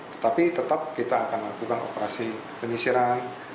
tetapi tetap kita akan lakukan operasi penyisiran